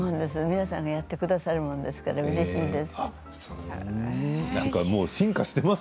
皆さんがやってくれるものですからうれしいです。